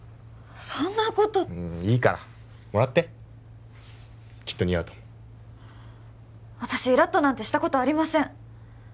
そんなこといいからもらってきっと似合うと思う私イラッとなんてしたことありません